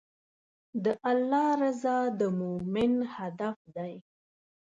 د الله رضا د مؤمن هدف دی.